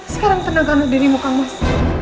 sekarang tenangkanlah dirimu kang mas